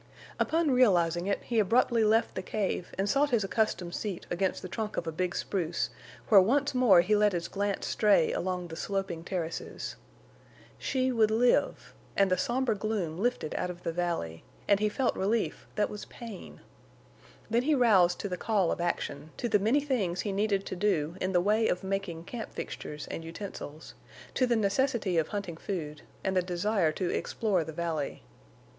Upon realizing it he abruptly left the cave and sought his accustomed seat against the trunk of a big spruce, where once more he let his glance stray along the sloping terraces. She would live, and the somber gloom lifted out of the valley, and he felt relief that was pain. Then he roused to the call of action, to the many things he needed to do in the way of making camp fixtures and utensils, to the necessity of hunting food, and the desire to explore the valley.